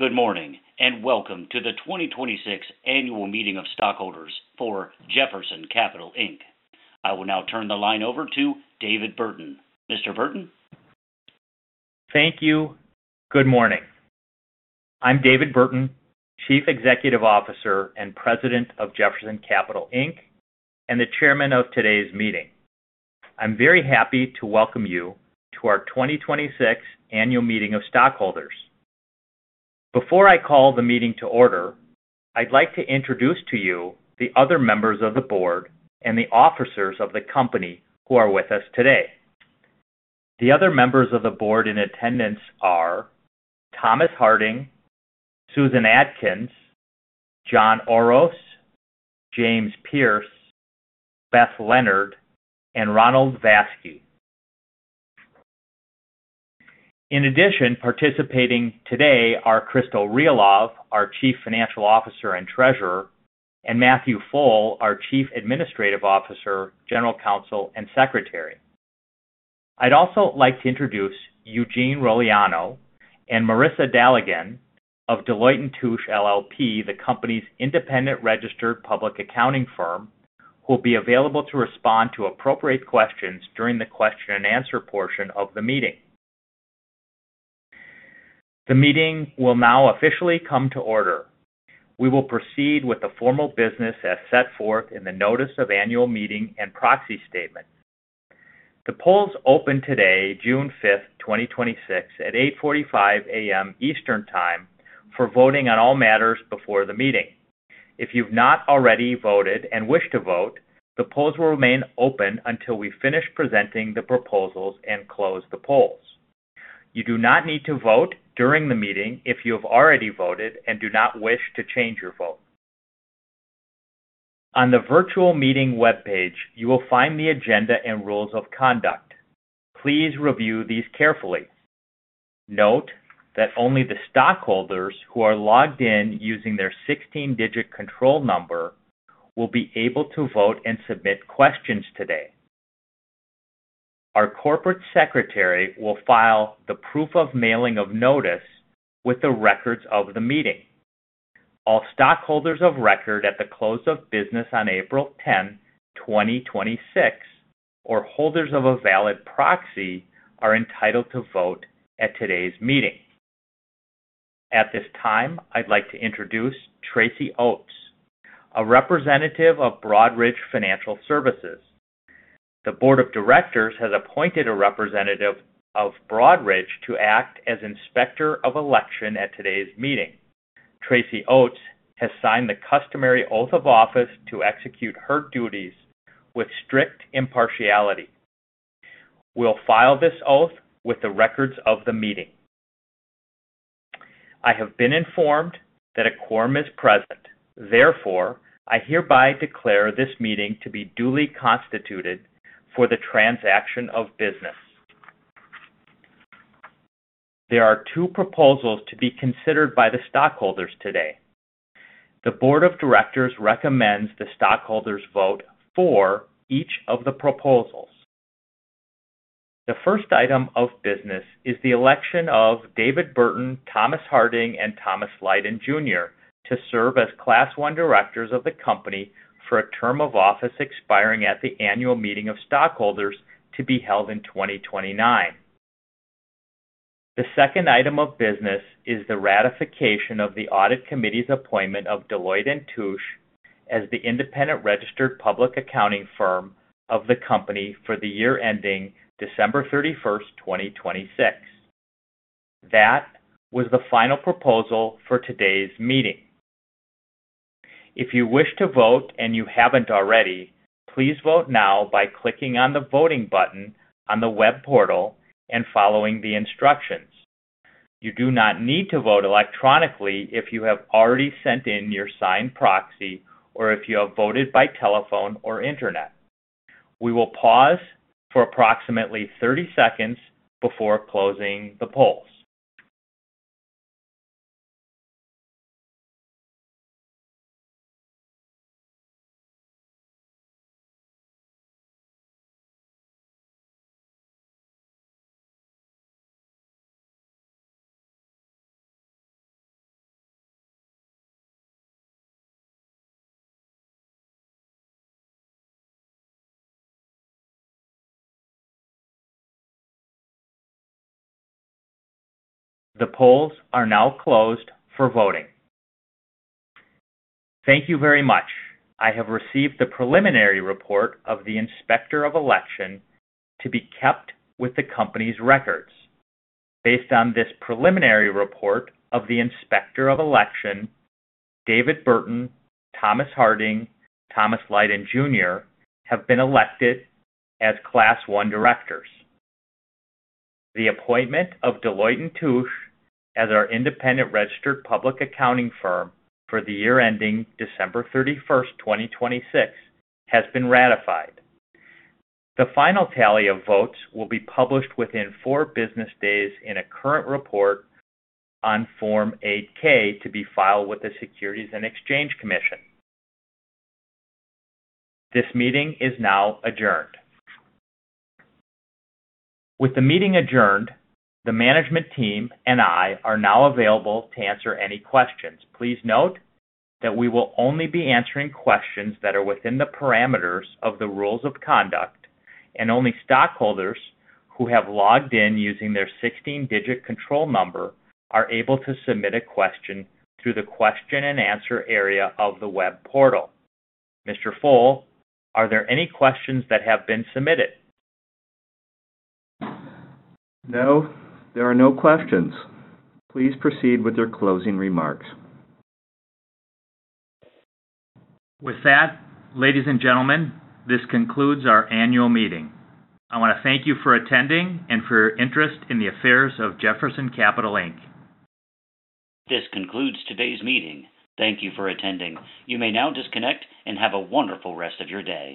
Good morning. Welcome to the 2026 Annual Meeting of Stockholders for Jefferson Capital Inc. I will now turn the line over to David Burton. Mr. Burton? Thank you. Good morning. I'm David Burton, Chief Executive Officer and President of Jefferson Capital, Inc., and the Chairman of today's meeting. I'm very happy to welcome you to our 2026 Annual Meeting of Stockholders. Before I call the meeting to order, I'd like to introduce to you the other members of the Board and the officers of the company who are with us today. The other members of the board in attendance are Thomas Harding, Susan Atkins, John Oros, James Pierce, Beth Leonard, and Ronald Vaske. In addition, participating today are Christo Realov, our Chief Financial Officer and Treasurer, and Matthew Pfohl, our Chief Administrative Officer, General Counsel, and Secretary. I'd also like to introduce Eugene Rogliano and Marissa Daligan of Deloitte & Touche LLP, the company's independent registered public accounting firm, who will be available to respond to appropriate questions during the question-and-answer portion of the meeting. The meeting will now officially come to order. We will proceed with the formal business as set forth in the notice of Annual Meeting and proxy statement. The polls opened today, June 5th, 2026, at 8:45 A.M. Eastern Time for voting on all matters before the meeting. If you've not already voted and wish to vote, the polls will remain open until we finish presenting the proposals and close the polls. You do not need to vote during the meeting if you have already voted and do not wish to change your vote. On the virtual meeting webpage, you will find the agenda and rules of conduct. Please review these carefully. Note that only the stockholders who are logged in using their 16-digit control number will be able to vote and submit questions today. Our corporate secretary will file the proof of mailing of notice with the records of the meeting. All stockholders of record at the close of business on April 10, 2026, or holders of a valid proxy are entitled to vote at today's meeting. At this time, I'd like to introduce Tracy Oates, a representative of Broadridge Financial Solutions. The Board of Directors has appointed a representative of Broadridge to act as Inspector of Election at today's meeting. Tracy Oates has signed the customary oath of office to execute her duties with strict impartiality. We'll file this oath with the records of the meeting. I have been informed that a quorum is present. Therefore, I hereby declare this meeting to be duly constituted for the transaction of business. There are two proposals to be considered by the stockholders today. The board of directors recommends the stockholders vote for each of the proposals. The first item of business is the election of David Burton, Thomas Harding, and Thomas Lydon, Jr. to serve as Class I Directors of the company for a term of office expiring at the Annual Meeting of stockholders to be held in 2029. The second item of business is the ratification of the audit committee's appointment of Deloitte & Touche as the independent registered public accounting firm of the company for the year ending December 31st, 2026. That was the final proposal for today's meeting. If you wish to vote and you haven't already, please vote now by clicking on the voting button on the web portal and following the instructions. You do not need to vote electronically if you have already sent in your signed proxy or if you have voted by telephone or internet. We will pause for approximately 30 seconds before closing the polls. The polls are now closed for voting. Thank you very much. I have received the preliminary report of the Inspector of Election to be kept with the company's records. Based on this preliminary report of the Inspector of Election, David Burton, Thomas Harding, Thomas Lydon, Jr. have been elected as Class I Directors. The appointment of Deloitte & Touche as our independent registered public accounting firm for the year ending December 31st, 2026, has been ratified. The final tally of votes will be published within four business days in a current report on Form 8-K to be filed with the Securities and Exchange Commission. This meeting is now adjourned. With the meeting adjourned, the management team and I are now available to answer any questions. Please note that we will only be answering questions that are within the parameters of the rules of conduct, and only stockholders who have logged in using their 16-digit control number are able to submit a question through the question and answer area of the web portal. Mr. Pfohl, are there any questions that have been submitted? No, there are no questions. Please proceed with your closing remarks. With that, ladies and gentlemen, this concludes our annual meeting. I want to thank you for attending and for your interest in the affairs of Jefferson Capital, Inc. This concludes today's meeting. Thank you for attending. You may now disconnect and have a wonderful rest of your day.